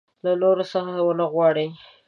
له نورو څه ونه وغواړي.